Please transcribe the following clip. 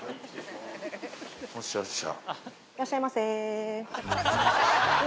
いらっしゃいませ。